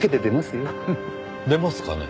出ますかね？